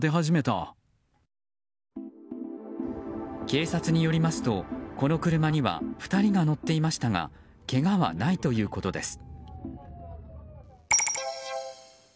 警察によりますと、この車には２人が乗っていましたがけがはないということです。